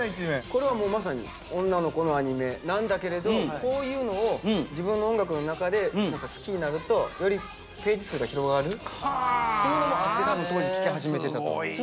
これはもうまさに女の子のアニメなんだけれどこういうのを自分の音楽の中で好きになるとよりページ数が広がるっていうのもあって多分当時聴き始めてたと思います。